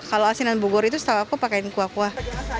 kalau asinan buguri itu setelah aku pakai kuah kuah